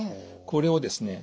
これをですね